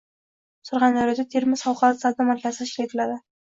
Surxondaryoda Termiz xalqaro savdo markazi tashkil etiladi